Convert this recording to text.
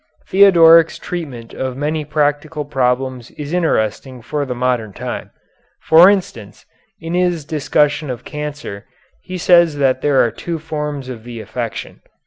Theodoric's treatment of many practical problems is interesting for the modern time. For instance, in his discussion of cancer he says that there are two forms of the affection.